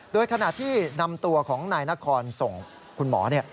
โดยขณะที่นำตัวของนายนครส่งคุณหมอ